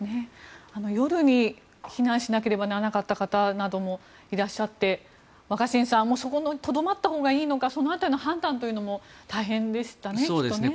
夜に避難しなければならなかった方などもいらっしゃって若新さんそこにとどまったほうがいいのかその辺りの判断も大変でしたね。